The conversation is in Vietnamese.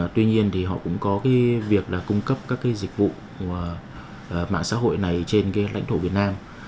tuy nhiên thì họ cũng có cái việc là cung cấp các cái dịch vụ mạng xã hội này trên cái lãnh thổ việt nam